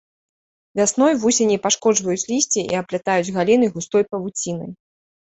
Вясной вусені пашкоджваюць лісце і аплятаюць галіны густой павуцінай.